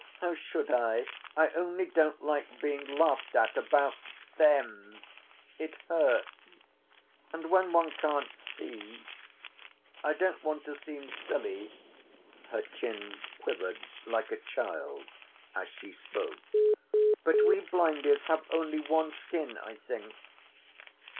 How should I? I only don't like being laughed at about them. It hurts; and when one can't see…. I don't want to seem silly," her chin quivered like a child's as she spoke, "but we blindies have only one skin, I think.